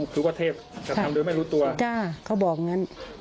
คือว่าเทพจะทำหรือไม่รู้ตัวจ้ะเขาบอกอย่างงั้น